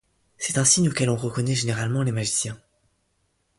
C’est un signe auquel on reconnaît généralement les magiciens.